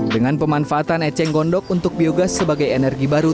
dengan pemanfaatan eceng gondok untuk biogas sebagai energi baru